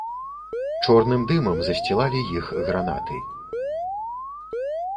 Чорным дымам засцілалі іх гранаты.